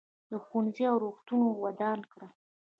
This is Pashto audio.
ده ښوونځي او روغتونونه ودان کړل.